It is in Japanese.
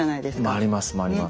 回ります回ります。